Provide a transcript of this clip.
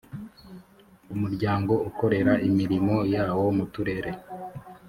umuryango ukorera imirimo yawo mu turere